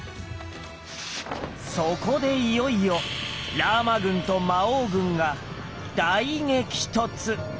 そこでいよいよラーマ軍と魔王軍が大激突！